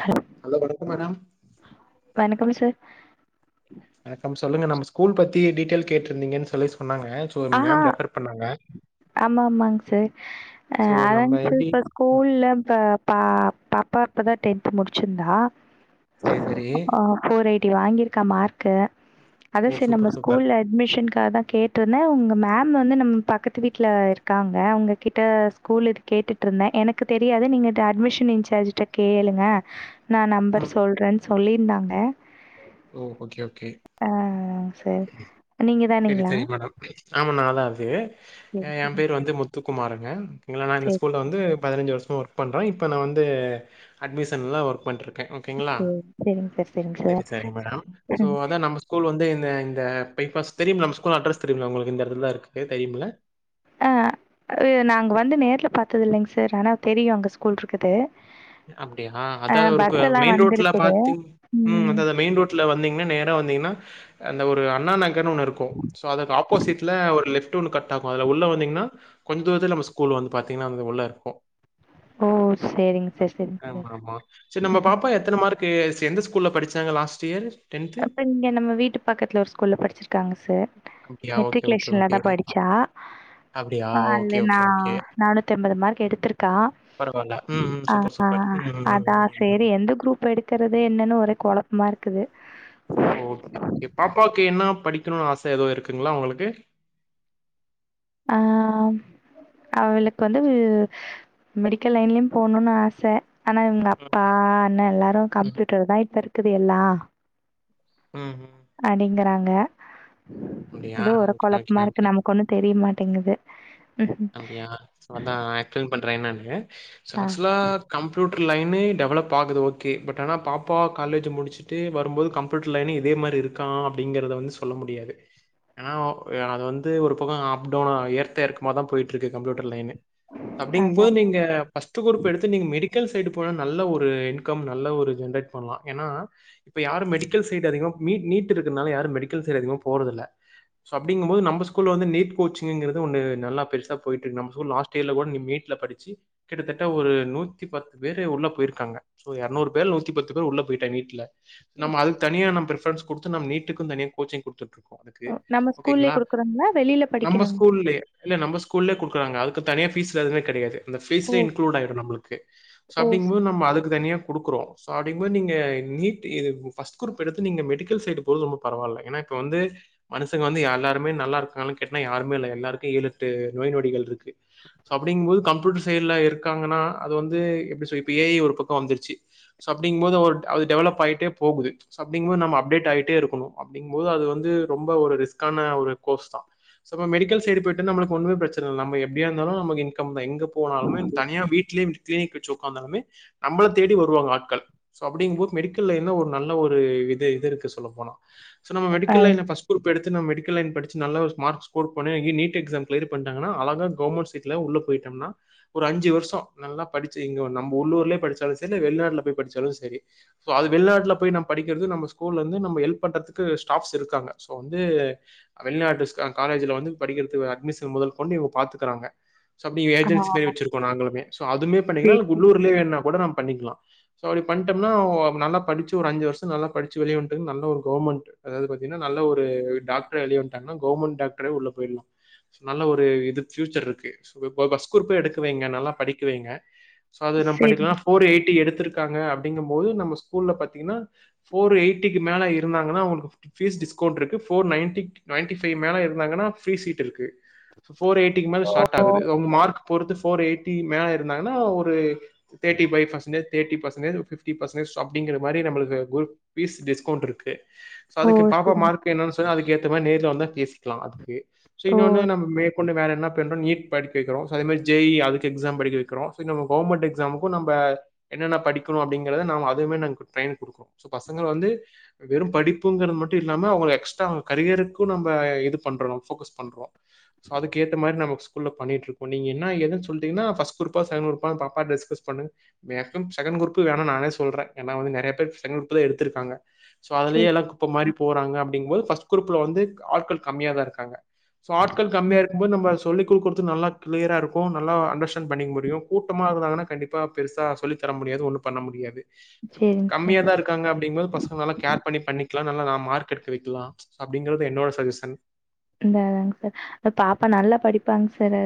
ஹ ஹலோ வணக்கொ மேடம் வணக்கம் சார் வணக்கம் சொல்லுங்க நம்ப ஸ்கூல் பத்தி டீடெய்ல் கேட்ருந்திங்கன் சொல்லி சொன்னாங்க ஸோ ஆஹா மேம் ரெஃபர் பண்ணாங்க ஆமா ஆமாங் சார் ஸோ அதாங் நம்ம எப்படி சூப்ப ஸ் ம், ஸ்கூல்ல ப பா பாப்பா இப்பதா டென்த் முடிச்சிருந்தா சரி சரி ஃபோர் எய்ட்டி வாங்கிருக்கா மார்க்கு அத ஓ சரி நம் சூப்பர் சூப்பர் ஸ்கூல்ல அட்மிஷன்காக தா கேட்ரு உங்க மேம் வந்து நம்ம பக்கத்து வீட்ல இருக்காங்க அவ்ங்க கிட்ட ஸ்கூல் இரு கேட்டுட் இருந்த எனக்கு தெரியாது நீங்க ட அட்மிஷன் இன்சார்ஜ்ட்ட கேளுங்க நா நம்பர் ம் சொல்றன் சொல்லிருந்தாங்க ஓ ஓகே ஓகே சரி. ம் நீங்க செரி தானுங்களா? செரி மேடம் ஆமா நாதா அது ஏ சரி, சரிங்க. பேரு வந்து முத்துக்குமாருங்க ங்களா நா இந்த சரி, ஸ்கூல்ல வந்து பதினஞ்சு வருஷமா ஒர்க் பண்ற இப்ப நா வந்து அட்மிஷன்ல ஒர்க் பண்ட்ருக்க ஓ செரிங் சார் செரிங் சார் சரிங் மேடம் சோ அதா நம்ப ஸ் கூல் வந்து இந்த இந்த பைபாஸ் தெரியும்ல நம்ப ஸ்கூல் அட்ரஸ் தெரியும்ல ஒங்களுக்கு இந்த எடத்துலதா இருக்கு தெரியும்ல ஆ அது நாங்க வந்து நேர்ல பாத்ததில்லைங் சார் ஆனா தெரியு அங்க ஸ்கூல் இருக்குது அப்டியா ஆ அதா அது ஒரு கோ பஸ் எல்லா மெயின் ரோட்ல வந்திருக்குது பாத்திங் ம் அதா அது மெயின் ரோட்ல வந்தீங்கனா நேரா வந்தீங்னா அந்த ஒரு அண்ணா நகர்னு ஒன்னு இருக்கு சோ அதுக் ஆப்போசிட்ல ஒரு லெஃப் டு ஒன்னு கட் ஆகு அதுல உள்ள வந்தீங்னா கொஞ்ச இதுல நம்ம ஸ்கூல் வந்து பாத்தீங்னா உள்ள இருக்கு ஓ செரிங்க சார் சேரிங்க ஆமா சார் ஆமா செரி நம்ப பாப்பா எத்தன மார்க்கு எஸ் எந்த ஸ்கூல்ல படிச்சாங்க லாஸ்ட் இயர் அப்ப நீங்க நம்ம வீட்டு பக்கத்ல ஒரு ஸ்கூல்ல படிச்சிருக்காங்க சார் அப்டியா? ஓகே, ஓகே, மெட்ரிகுலேஷன்லதா ஓகே. படிச்சா அப்டியா? ஆ ஓகே, அல்லெ நா ஓகே, ஓகே. நானூத்தி அம்பது மார்க் எடுத்திருக்கா பரவால்ல. ம், ம். அ சூப்பர், ஆ சூப்பர். ம், ம், ம், அதா ம், ம். செரி எந்த குரூப் எடுக்கறது என்னன் ஒரே கொழப்பமா இருக்குது ஓ ஓகே ஓகே பாப்பாக்கு என்ன படிக்கணூனு ஆச எதோ இருக்குங்களா அவ்ங்களுக்கு ஆ அவளுக் வந்து மெடிக்கல் லைன்லயு போணூன் ஆச ஆனா இவ்ங்க ம், அப்பா ம், அண்ண எல்லாரு ம், கம்ப்யூட்டர்தா இப்ப இருக்குது எல்லா ம் ஹூ அப்டிங்கறாங்க அப்டியா ஓகே ஓகே ஓகே ஒன்னு தெரிய மாட்டேங்குது ம்ஹ்ம். அப்டியா சோ அதா எக்ஸ்பிளைன் பண்ற என்னானு சோ ஆ ஆக்சுவலா கம்ப்யூட்டர் லைனு டெவலப் ஆகுது ஓகே பட் ஆனா பாப்பா காலேஜ் முடிச்சுட்டு வரும்போது கம்ப் யூட்டர் லைனு இதே மாரி இருக்கா அப்டிங்கறத வந்து சொல்ல முடியாது ஏனா ஒ அது வந்து ஒரு பக்கொ அப் டவுனா ஏத்த ஏறக்கமா தா போயிட்டு இருக்கு கம்ப்யூட்டர் லைனு அப்டிங் போது அதான். நீங்க பஸ்ட் குரூப் எடுத்து நீங்க மெடிக் கல் சைடு போனா நல்ல ஒரு இன்கம் நல்ல ஒரு ஜென்ரேட் பண்ணலாம் ஏன்னா இப்ப யாரும் மெடிக்கல் சைடு அதிகம் நீ நீட்டு இருக்றனால யாரும் மெடிக்கல் சைட் அதிகமா போறதுல்ல சோ அப்டி இங்கும் போது நம்ம ஸ்கூல் வந்து நீட்டு கோச்சிங்குறது ஒன்னு நல்லா போய் நல்லா போயிட்டு இருக்கு நம்ம ஸ்கூல் லாஸ்ட் இயர்ல கூட நீ நீீட்ல படிச்சு கிட்டத்தட்ட ஒரு நூத்தி பத்து பேரு உள்ள போயிருக்காங்க இப்ப இருநூறு பேர் நூத்தி பத்து பேர் உள்ள போயிட்டான் நீட்ல நம்ம அதுக்கு தனியா நம்ம பிரிஃப்ரஸ் கொடுத்து நம்ம நீட்டுக்கும் தனியா கோச்சிங் கொடுத்துட்டு அதுக்கு ஓ, நம்ம ஸ்கூல்லயே ஓகேங்களா குடுக்குறோங்களா? வெளில நம்ம படிக்கணும். ஸ்கூல்லே இல்ல நம்ம ஸ்கூல்ல கொடுக்குறங்க அதுக்கு தனியா ஃபீஸ் சார்ஜ் எல்லாம் கிடையாது அந்த ஓ! ஃபீஸ்ல இன்க்ளூட் ஆயிடும் நம்மளுகோ ஓ! அப்படிங்கும் சரி. போது நம்ம அதுக்கு தனியா கொடுக்குறோம் சோ அப்டிங்கபோது நீங்க நீட் இது ஃபர்ஸ்ட் குரூப் எடுத்து நீங்க மெடிக்கல் சைடு போறது ரொம்ப பரவாயில்ல ஏன்னா இப்ப வந்து மனசுங்க வந்து எல்லாருமே நல்லா இருக்காங்க கேட்னா யாருமே இல்ல எல்லாருக்கும் ஏமு எட்டு நோய் நொடிகள் இருக்கு சோ அப்டிங்கு போது கம்ப்யூட்டர் செயல்ல இருக்காங்கன்னா அது வந்து எப்படி இப்ப ஏ ஐ ஒரு பக்கம் வந்துருச்சு சோ அப்படிங்கு போது ஒரு அது டெவலப் ஆயிட்டே போகுது அப்படி இருக்கும்போது நம்ம அப்டேட் ஆகிட்டே இருக்கணும் அப்படிங்கும் போது அது வந்து ரொம்ப ஒரு ரிஸ்கான ஒரு கோர்ஸ் தான் சப்ப மெடிக்கல் சைடு போயிட்டு நம்மளுக்கு ஒன்னும் பிர சேரி எப்டியா இருந்தாலும் நமக்கு இன்கம் தான் எங்க போனாலுமே தனியா வீட்லயே கிளினிக் வச்சோ வந்தாலுமே நம்மள தேடி வருவாங்க ஆட்கள் சோ அப்படிங்கும்போது மெடிக்கல்ல என்ன ஒரு நல்ல ஒரு இது இது இருக்கு சொல்ல போன சோ நம்ம ஆ மெடிக்கல்ல ஃபஸ்ட் குருப் எடுத்து மெடிக்கல் லைன் படிச்சு நல்ல ஒரு மார்க் ஸ்கோர் பண்ணி நீ நீட் எக்ஸாம் கிளியர் பண்ணிட்டாங்கன்னா அழகா கவர்மெண்ட் சீட்ல உள்ள போயிட்டோம்ன்னா ஒரு அஞ்சு வருஷம் நல்லா படிச்சு இங்க நம்ம உள்ளூர்ல படிச்சாலும் சேரி இல்ல வெளிநாட்டுல போயி படிச்சாலும் சேரி சோ அது வெளிநாட்டுல போயி நம்ம படிக்கிறது நம்ம ஸ்கூல்ல வந்து நம்ம ஹெல்ப் பண்றதுக்கு ஸ்டாப்ஸ் இருக்காங்க சோ வந்து வெளிநாட்டு காலேஜ்ல வந்து படிக்கிறதுக்கு அட்மிஷன் முதல் கொண்டு இவங்க பார்த்துக்கிறாங்க சோ அப்டியே ஆ ஏஜென்சி மாரி வச்சிருக்கோ நாங்களும சோ அதுமே பண்ணிக்கல சரி, இல்ல உள்ளூர்லயே வேன கூட நமம் பண்ணிக்கலாம் சோ அப்டி பன்னிட்டேம்ன்னா நல்லா படிச்சு ஒரு அஞ்சு வருஷம் நல்லா படிச்ச வெளிய வந்துட்டு நல்ல ஒரு கவர்மெண்ட் அதாவது பார்த்தீங்கன்னா நல்ல ஒரு டாக்டர் அழிய மாட்டங்கன்னா கவுவர்மெண்ட டாக்டர்ரே உள்ள போயிடலாம் நல்ல ஒரு இது பியூச்சர் இருக்கு ஃபஸ்ட் குருப்ப எடுக்க வைங்க நல்லா படிக்க வைங்க சோ அது நம்ம சரிங்க. பண்ணிக்கலாம் ஃபோர் எயிட்டி எடுத்திருக்காங்க அப்படிங்கும் போது நம்ம ஸ்கூல்லல பார்த்தீங்கன்னா ஃபோர் எயிட்டிக்கு மேல இருந்தாங்கன்னா அவங்களுக்கு ஃபீஸ் டிஸ்கவுண்ட் இருக்கு ஃபோர் நைன் நைன்டிைவ் மேல இருந்தாங்கா ஃபிரி சீட் இருக்கு ஃபோர் எயிட்டிக்கு மேல ஸ்டார்ட் ஓ! ஆகுது அவுங்க மார்க் பொறுத்து ஃபோர் எய்டிட்டி மேல இருந்தாங்கன்னா ஒரு தேட்டி பைஃவ் பெஸ்ட்டன் தேர்டி ஃபெர்சன்டேஜ் ஃபிஃப்டி பர்சன்ஜ் அப்படிங்க மாரி நமக்கு ஃபீஸ் டிஸ்கவுண்ட் இருக்கு சோ ஓ! அதுக்கு பாப்பா சரிங்க. மார்க்கு என்னனு சொன்ன அதுக்கு ஏத்தா மாதிரி நேர்ல வந்தான் பேசிக்கலாம் அதுக்கு சோ ஓ! இன்னு ஒன்னு என்ன மேற்கொண்டு வேற என்ன பண்றோம் நீட் படிக்க வைக்கிறோம் அதே மாதிரி ஜே இ அதுக்கு எக்ஸாம் படிக்க வைக்கிறோம் நம்ம கவர்மெண்ட எக்ஸாமுக்கும் நம்ம என்னென்ன படிக்கணும் அப்படிங்கிறத நம் அதுவுமே நமக்கு ட்ரையின் கொடுக்குறோம் சோ பசங்கள் வந்து வெறும் படிப்புங்கிறது மட்டும் இல்லாம அவங்க எக்ஸ்ட்ராங்க கரியருக்கும் நம்ம இது பண்றோம் ஃபோக்கஸ் பண்றோம் சோ அதுக்கேத்த மாரி நம்ம ஸ்கூல் பண்ணி இருக்ககோம்நீ என்ன எதுன்ன சொல்லுகன்னா ஃபஸ்ட் குருப்பா சென்டு குருப்பா பாப்பா டிஸ்கஸ் பண்ணுங் மேக்கும் செகன் குருப்பு வேணும் நானே சொல்றேன் ஏன்னா வந்து நிறைய பேர் செகன் குருப் தான் எடுத்திருக்காங்க சோ சரி, அதுலய எல்லாம் குப்ப மாரி போறாங்க அப்டிங் போது ஃபர்ஸ்ட் குரூப்ல வந்து ஆட்கள் கம்மிய தான் இருக்காங்கோ சோ ஆட் கள் கம்மியா இருக்கும் போ நம்ம சொல்லி கொடுக்கது நல்லா கிளியரா இருக்கும் நல்லா அண்டர்ஸ்டாண்ட் பண்ணிக்க முடியும் கூட்டமாக இருந்தாங்கனா கண்டிப்பா பா பெருசா சொல்லி தர முடியாது ஒன்னும் பண்ண முடியாது சரிங்க சார். கம்மியா தா இருக் காங்க அப்டிங்கும்போது பசங்ள நல்லா கேர் பண்ணி பண்ணிக்கலா நல்ல மார்க்கு எடுக்க வைக்கலா அப்டிங்கிறது என்னோட ஜஷன் ங்க அ சார் எ பாப்பா நல்லா படிப்பாங்க சாரு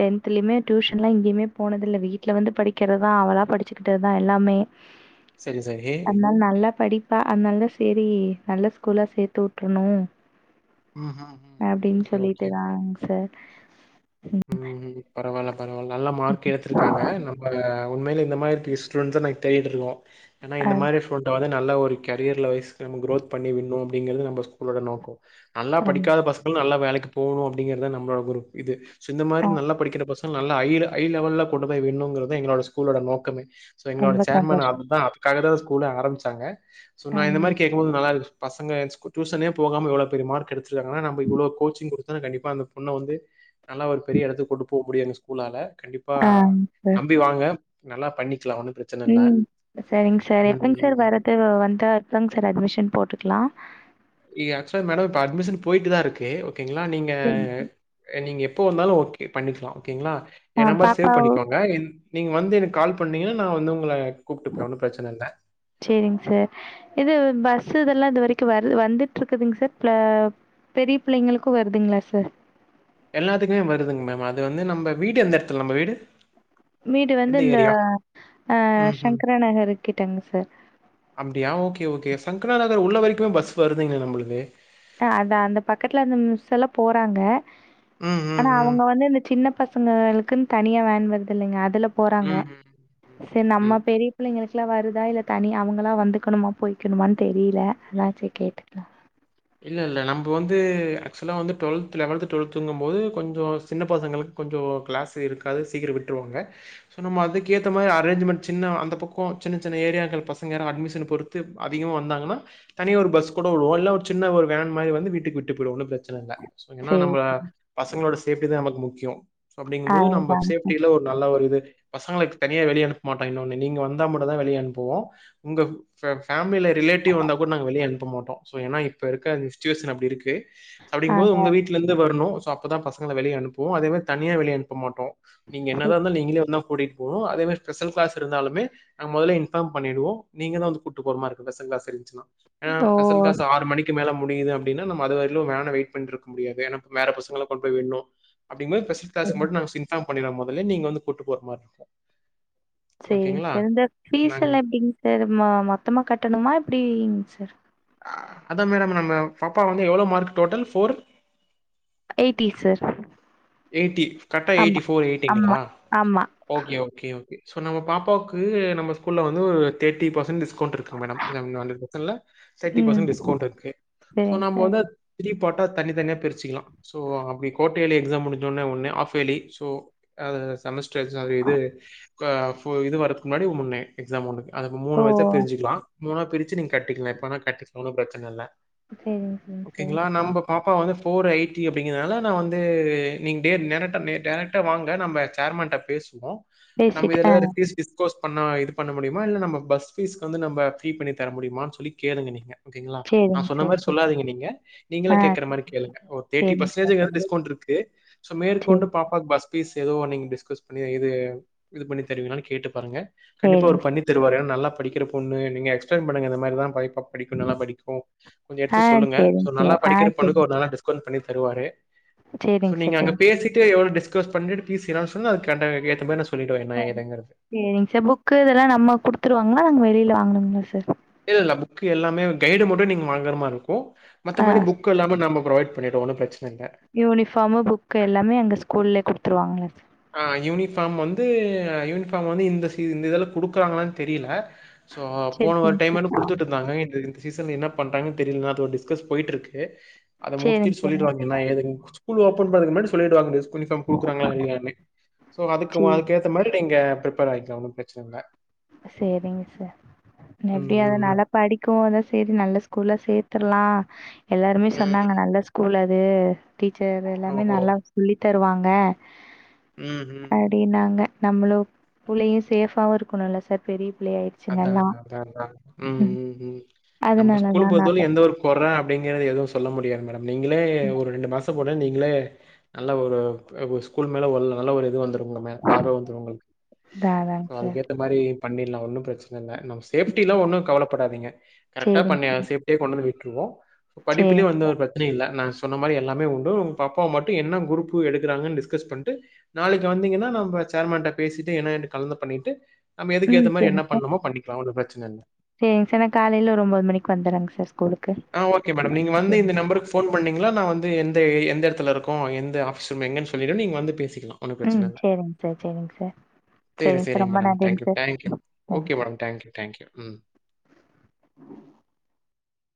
டென்த்லயுமே டியூஷன்லா எங்கையுமே போனதுல்ல வீட்ல வந்து படிக்கிறதா அவளா படிச்சுக்கிட்டதா எல்லாமே [inaudible] சரி அதனால நல்லா படிப்பா அதனாலதா சேரி நல்லா ஸ்கூல்லா சேத்து வுட்ரணு ம்ஹு அப்டின் சொல்லிட்டுதாங் சார் ம் பரவால்ல பரவால்ல நல்ல மார்க் எடுத்திருக்காங்க நம்ம உண்மைல இந்த மாரி டுவிஸ்ட் வந்து நாங்க தேடுட்ருக்கோ ஏனா அ இந்த மாரி போ ட்றாத நல்ல ஒரு கரியர்ல வய்ஸ் குரோத் பண்ணி வுட்ணு அப்டிங்கிறது நம்ப ஸ்கூலோட நோக்கோ நல்லா ரொம் படிக்காத பசங்க நல்லா வேலைக்கு போணு அப்டிங்கறதா நம்மளோட விரு இது சோ இந்த மாரி அ நல்லா படிக்கிற பச ங்கள நல்ல ஐ ஐ லெவல்ல கொண்டு போய் விடணுங்கறதா எங்களோட ஸ்கூலோட நோக்கமே சோ எங்களோட ரொம்ப சேர்மன் சந்தோஷம். அதுதா அது க்காகதா ஸ்கூலு ஆரம்புச்சாங்க சோ நா இந்த ஆமா. மாரி கே ட்டு நல்லாருகு பசங்க ஸ்கூ டியூசனே போகாம இவ்ளோ பெரிய மார்க் ச்சுவாங்கனா நம்ப இவ்ளோ கோச்சிங் குடுத்தனா கண்டிப்பா அந்த பொண்ண வந்து நல்ல ஒரு பெரியெடத்துக் கொண்டு போக முடியு எங்க ஸ் கூலால கண்டிப்பா ஆங் சார். நம்பி வாங்க நல்லா பண்ணிக்கலா ஒன்னு ப்ரச் ம் செரிங் சார் எப்போங்க சார் வர்றது வந்தா எப்பங் சார் அட்மிஷன் போட்டுக்லா ய ஆக்சுவலா மேடோ இப்ப அட்மிஷன் போயிட்டு தா இருக்கு ஓகேங்களா நீங்க சரி. அ நீங்க எப்ப வந்தாலு ஓகே பண்ணிக்லா ஓகேங்ளா ஆ எ நம்பர் சேவ் பாப்பாவ பண்ணிக்கோங்க இந் நீங் வந்து எனக் கால் பண்ணீங்கன்னா நா வந்து உங்கள கூப்ட்டுப்பே ஒன்னு பிரச்சன இல்ல செரிங் சார் இது பஸ் இதெல்லா இது வரைக்கு வரு வந்துட்டு இருக்குதுங் சார் ப பெரிய பிள்ளைங்களுக்கு வருதுங்களா சார் எல்லாத்துக்குமே வருதுங்க மேம் அது வந்து நம்ப வீடு எந்த எடத்துல நம்ப வீடு வீடு வந்து எந்த இந்த ஏரியா? அ ம்ஹ்ம். சங்கரா நகர் கிட்டங் சார் அப்டியா ஓகே ஓகே சங்கரா நகர் உள்ள வரைக்குமே பஸ் வருதுங்கே நம்பளுக்கு அ அதா அந்த பக்கத்துல அந்த மிஸ் எல்லா போறாங்க ம் ம் ஆனா ம். அவங்க வந்து இந்த சின்ன பசங்கங்களுக்குன் தனியா வேன் வருதுல்லங்க அதுல போறாங்க ம், ம். செர் ம், ம். நம்ம பெரிய பிள்ளைங்களுக்லா வருதா இல்ல தனி அவங்களா வந்துக்கணுமா போய்கணுமானு தெரில அதா சரி கேட்டுக்லா இல்லல்ல நம்ப வந்து ஆக்சுவலா வந்து டுவெல்த் லெவல்த்து டுவல்த்ங்கும்போது கொஞ்சோ சின்ன பசங்களுக் கொஞ்சோ கிளாஸ்ஸு இருக்காது சீக்கரோ விட்ருவாங்க சோ நம்ம அதுக்கு ஏத்த மாரி அரேஞ்மென்ட் சின்ன அந்த பக்கோ சின்ன சின்ன ஏரியாக்கல் பசங்க அட்மிஷன் பொறுத் து அதிகமா வந்தாங்கன்னா தனியா ஒரு பஸ் கூட வுடுவோ இல்ல ஒரு சின்ன ஒரு வேன் மாரி வந்து வீட்டுக்கு விட்டு போய்டு ஒன்னு பிரச்சன இல்ல சோ ஏனா நம்ப சேரி பசங்களோட சேஃப்டி தா நமக்கு முக்கியோ சோ அப்டிங்குபோது நம்ம அதுதாங்க சேஃப்டியில ஒரு நல்ல ஒரு இது பசங்களுக்கு தனியா வெளிய அனுப்ப மாட்டோ இன்னொன்னு நீங்க வந்தா மட்டு தா வெளிய அனுப்புவோ உங்க ஃபே ஃபேமிலில ரிலேட்டிவ் வந்தா கூட நாங்க வெளியனுப்ப மாட்டோ சோ ஏன்னா இப்ப இருக்க அந்த சுச்சுவேஷன் அப்டி இருக்கு சோ அப்டிங்போது அதா உங்க வீட்டு லருந்து வரணு சோ அப்பதா பசங்கள வெளிய அனுப்புவோ அதே மாரி தனியா வெளிய அனுப்ப மாட்டோ நீங்க சரி என்னதா இருந்தாலு நீங்களே வந்தா கூட்டிட்டு போனு அதே மாரி ஸ்பெஷல் கிளாஸ் இருந்தாலுமே நாங்க மொதல்லே இன்ஃபார்ம் பண்ணிடுவோ நீங்கதா வந்து கூட்டு போற மார்ருக்கு ஸ்பெஷல் க்ளாஸ் இருந்துச்சுன்னா ஏனா பெஷல் க்ளாஸ் ஓ ஆறு மணி இதுக்கு மேல முடில அப்டின்னா நம் அதுவரிலு வேண வெயிட் பண்ணிருக்க முடியாது வேற பசங்கள கொண்டு போய் விடணு அப்டிங்கபோது பெசில்கிளாஸ் மட்டும் நாங்க இன்பார்ம் பண்ணிறோ முதல்லே நீங்க வந்து கூட்டு போற மாரி இருக்கோ செரிங்க சார் இந்த ஃபீஸ் எல்லா எப்டிங்க சார் மொத்தமா கட்டணுமா எப்டிங் சார் அதா மேடம் நம்ம பாப்பா வந்து எவ்ளோ mark total four eighty sir eighty கரெக்டா எயிட்டி ஆமா, ஃபோர் எயிட்டிங்களா ஆமா, ஆமா. ஓகே ஓகே சோ நம்ம பாப்பாவுக்கு நம்ம ஸ்கூல்ல வந்து ஒரு தேர்ட்டி பர்சண்ட் டிஸ்கவுன்ட் இருக்கு மேடம் உங்க அதுல பிரச்சனை இல்ல தேர்ட்டி ம். பர்சன்ட் டிஸ்கவுண்ட் இருக்கு சோ சரிங்க நம்ம சார். வந்து அ த்ரீ பாட்டா தனி தனிய பிரச்சுக்கலா சோ அப்டி கோட்டேளி எக்ஸாம் முடிஞ்சோனே ஒன்னு ஆஃப் ஏலி சோ அ செமஸ்டர் எக்ஸா இது அ பு இது வரதுக்கு முன்னாடி முன்னே எக்ஸாம் ஒண்ணுருக்கு அதுக்கு மூணு ஓ! வைசா பிரிஞ்சுக்கலா மூணா பிரிச்சி நீங்க கட்டிக்கலா எப்பனா கட்டிக்கலான ஒன்னு பிரச்சன இல்ல சரிங்க, சரிங்க சார். ஓகேங்களா நம்ம பாப்பா வந்து ஃபோர் எயிட்டி அப்டிங்கிறதுனால நா வந்து நீங்க டே நேரா நே டேரக்டா வாங்க நம்ம சேர்மேண்ட பேசுவோ நம்ம பேசிட்டு இதுல ஆ எதா ஃபீஸ் கீஸ் கோர்ஸ் பண்ணா இது பண்ண முடியுமா இல்ல நம்ம பஸ் பீஸ்ச வந்து நம்ம ஃப்ரீ பண்ணி தர முடியமான்னு சொல்லி கேளுங்க நீங்க ஓகேங்களா நா சரிங்க சொன்ன சார், மாரி சரி. சொல்லாதீங்க நீங்க நீங்களா ஆ கேக்குற மாரி கேளுங்க ஒரு தேட்டி சரிங்க சார், ப்பர்சன்ட்டு சரி. டிஸ்கவுன்ருக்கு சரி, மேற்கொண்டு பா பஸ் பீஸ் எது நீங்க டிஸ்கஸ் பண்ணி இது பண்ணி தருவிங்கலானு கேட்டு பாருங்க கண்டிப்பா அவரு சரிங்க சார். பண்ணி தருவார் ஏன்னா நல்ல படிக்கிற பொன்னு நீங்க எக்ஸ்பளைன் பண்ணுங்க இந்த மாரி தா படிக்கு நல்லா படிக்கு கொஞ்சோ ஆ எடுத்து சொல்லுங்க சோ சரிங்க நல்லா சார். ஆ படிக்கிற சரி. பொண்ணுக்கு ஒரு நல்லா டிஸ்கவுண்ட் பண்ணி தருவாரு சோ சரிங்க நீங்க சார், அங்க சரிங்க. பேசிட்டு எவ்ளோ டிஸ்கஸ் பண்ணிட்டு பீஸ் எதா சொல்லுங் அது கர்டா ஏத்த மார் சொல்லிடுவே என்ன ஏதுங்கிறது சேரிங்க சார் புக்கு இதெல்லா நம்ம குடுத்துருவாங்களா நாங்க வெளில வாங்கணுங்களா சார் இல்ல இல்ல புக் எல்லாமே கைடு மட்டு நீங்க வாங்கற மார்ருக்கு ஆ மத்த மாரி புக் எல்லாம் நாம ப்ரொவைட் பண்ணிடுவோ ஒன்னு பிரச்சன இல்ல யூனிஃபார்மு புக்கு எல்லாமே அந்த ஸ்கூல்லயே குடுத்துருவாங்களா அ யூனிஃபார்ம் வந்து யூனிஃபார்ம் வந்து இந்த சி இந்த இதுல குடுக்குறாங்களானு தெரில சோ சரி, போன ஒரு டைம் சரிங்க சார். குடுத்துட்டு இருந்தாங்க இந்த சீசன் என்ன பண்றாங்கு தெரில டிஸ்கஸ் போயிட்டுருக்கு அத சரிங்க முடிச்சுட்டு சார். சொல்லிடுவாங்க என்ன ஏதுனு ஸ்கூல் ஓப்பன் பன்றதுக்கு முன்னாடி சொல்லிடுவாங்க ஸ்கூல் யூனிஃபார்ம் குடுறாங்களா இல்லயானு சோ அதுக்கு சரி. அதுக்கு ஏத்த மாரி நீங்க ப்ரிபேர் ஆயிக்கேங்க ஒன்னு ப்ரெச்சனை இல்ல சேரிங்க சார் ம், எப்டியு அத ம், ம். நல்லா படிக் க்கு அதா சேரி நல்ல ஸ்கூல்லா சேர்த்திர்லா எல்லாருமே ம், ம். சொன்னாங்க நல்ல ஸ்கூல் அது டீச்சர் எல்லாமே ஓஹோ! நல்லா சொல்லி தருவாங்க ம் ம் அப்டின்னாங்க நம்மளோ பிள்ளையு சேஃபாவு இருக்கணும்ல சார் பெரிய பிள்ளைய அதா அதா அதா அதா ம் ம் ம் நம்ம அதனால ஸ்கூல் தான் நான் பொருத்தாலு எந்த ஒரு கொற அப்டிங்கற எதுவு சொல்ல முடியாது மேடம் நீங்களே ஒரு ரெண்டு மாசோ போட்டு நீங்களே நல்ல ஒரு ஸ்கூல் மேல நல்ல ஒரு இது வந்துரு அந்த மார் பார்வ வந்துரு உங்களுக்கு அதாங்க சார். அதுக்கேத்த மாரி பண்ணிடலா ஒன்னு பிரச் பிரச்சன இல்ல நம்ம சேஃப்டில்லாம் ஒன்னு கவலப்படாதீங்க கரெக்டா சேரிங்க பண்ண சார். சேப்டியே கொண்டு வந்து விட்டுருவோ சோ படிப்பிலயு சேரிங்க. வந்து ஒரு பி பிரச்சனையு இல்ல நா சொன்ன மாரி எல்லாமே உண்டு உங்க பாப்பாவை மட்டு என்ன குரூப்பு எடுக்கிறாங்கன்னு டிஸ்கஸ் பண்ட்டு நாளைக்கு வந்தீங்கன்னா நம்ப சேர்மேன்ட்ட பேசிட்டு என்ன ஏதுன்னு கலந்து பண்ணிட்டு நம்ம எதுக்க ம் ஏத்த மாரி சேரிங்க என்ன சார். பண்ணுமோ பண்ணிக்கலா ஒன்னு பிரச்சன இல்ல சேரிங்க சர் நா காலைல ஒரு ஒம்போது மணிக்கு வந்துரங்க சர் ஸ்கூளுக் ஆ ஓகே மேடம் நீங்க வந்து இந்த நம்பருக் ஃபோன் பண்ணிங்கனா நா வந்து எந்த எந்த எடத்துலருக்கோ எந்த ஆஃபீஸ் ரூம் எங்கன் சொல்லிடுவ நீங்க வந்து பேசிக்கலா ம் சேரிங்சர் சேரிங்சர் சேரி சேரிங்க மேடம் தங்க்யூ தங்க் யூ ம். Okay madam thank you thank you ம்